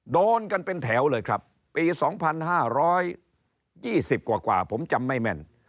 โดนกันเป็นแถวเลยครับปี๒๕๒๐กว่าผมจำไม่แม่น